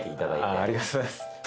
ありがとうございます。